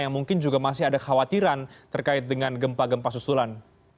yang mungkin juga masih ada khawatiran terkait dengan gempa gempa susulan